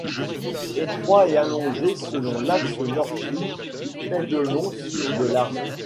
Étroit et allongé selon l'axe nord-sud, il fait de long, sur de large.